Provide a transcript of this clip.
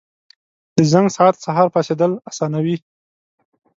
• د زنګ ساعت سهار پاڅېدل اسانوي.